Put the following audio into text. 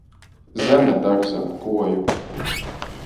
Zeme dag zam kuoju.